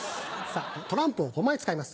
トランプを５枚使います。